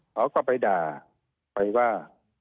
เขาก็ไปด่าไปว่า